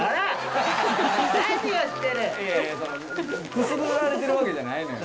くすぐられてるわけじゃないのよ。